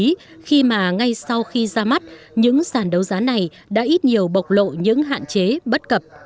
không có lý khi mà ngay sau khi ra mắt những sàn đấu giá này đã ít nhiều bộc lộ những hạn chế bất cập